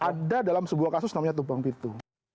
ada dalam sebuah kasus namanya tumpang pitu